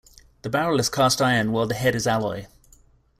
The barrel is cast iron while the head is alloy.